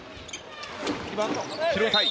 拾いたい。